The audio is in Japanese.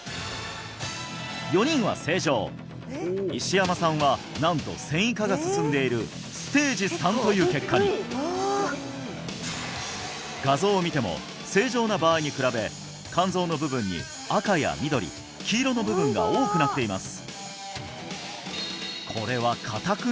４人は正常石山さんはなんと線維化が進んでいるステージ３という結果に画像を見ても正常な場合に比べ肝臓の部分に赤や緑黄色の部分が多くなっています